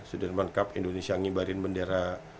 sudirman cup indonesia ngibarin bendera